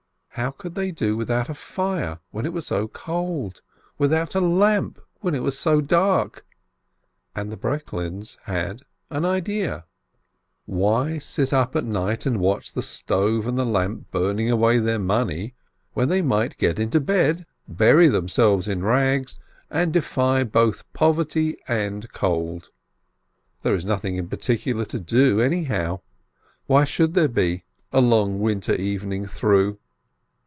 How could they do without a fire when it was so cold? Without a lamp when it was so dark? And the Breklins had an " idea "! Why sit up at night and watch the stove and the lamp burning away their money, when they might get into bed, bury themselves in rags, and defy both poverty and cold? There is nothing in particular to do, anyhow. What should there be, a long winter even ing through?